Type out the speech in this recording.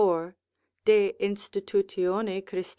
de institut. Christ.